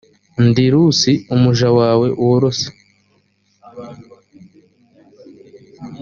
ndi rusi umuja wawe worose